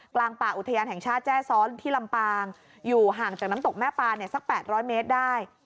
กลางป่าอุทยานแห่งชาติแจ้ซ้อนที่ลำปางอยู่ห่างจากน้ำตกแม่ปานเนี่ยสัก๘๐๐เมตรได้